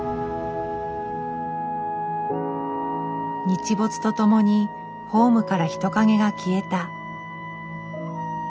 日没とともにホームから人影が消えた。